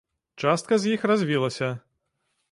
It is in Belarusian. Частка з іх развілася.